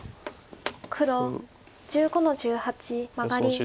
黒１５の十八マガリ。